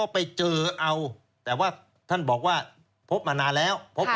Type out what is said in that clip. พบมานานแล้ว